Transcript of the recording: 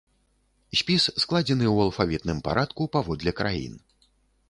Спіс складзены ў алфавітным парадку паводле краін.